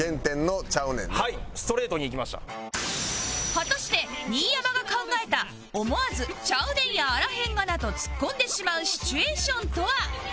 果たして新山が考えた思わず「ちゃうねんやあらへんがな」とツッコんでしまうシチュエーションとは？